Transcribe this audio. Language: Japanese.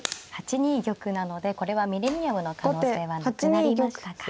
８ニ玉なのでこれはミレニアムの可能性はなくなりましたか。